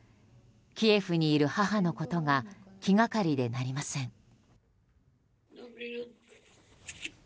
キエフにいる母のことが気がかりでなりません。